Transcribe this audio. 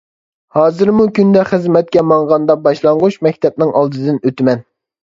ھازىرمۇ كۈندە خىزمەتكە ماڭغاندا باشلانغۇچ مەكتەپنىڭ ئالدىدىن ئۆتىمەن.